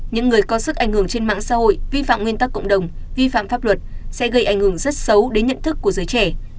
những người có sức ảnh hưởng trên mạng xã hội vi phạm nguyên tắc cộng đồng vi phạm pháp luật sẽ gây ảnh hưởng rất xấu đến nhận thức của giới trẻ